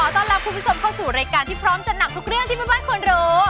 ต้อนรับคุณผู้ชมเข้าสู่รายการที่พร้อมจัดหนักทุกเรื่องที่แม่บ้านควรรู้